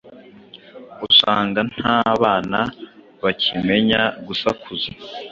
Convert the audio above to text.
usanga nta bana bakimenya gusakuza,